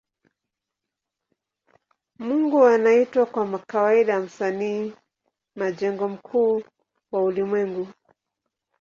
Mungu anaitwa kwa kawaida Msanii majengo mkuu wa ulimwengu.